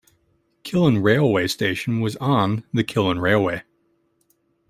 Killin railway station was on the Killin Railway.